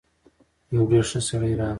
يو ډېر ښه سړی راغی.